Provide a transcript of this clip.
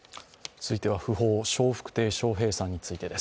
続いては訃報、笑福亭鶴瓶さんについてです。